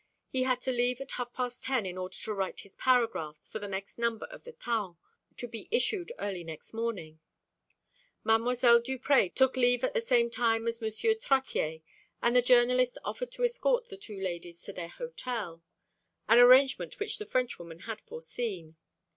He had to leave at half past ten, in order to write his paragraphs for the next number of the Taon, to be issued early next morning. Mdlle. Duprez took leave at the same time as M. Trottier, and the journalist offered to escort the two ladies to their hotel, an arrangement which the Frenchwoman had foreseen.